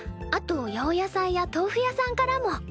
あと八百屋さんや豆腐屋さんからも。